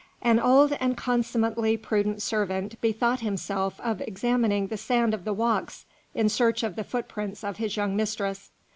An old and consummately prudent servant bethought himself of examining the sand of the walks in search of the footprints of his young mistress.